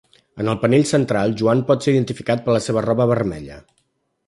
En el panell central Joan pot ser identificat per la seva roba vermella.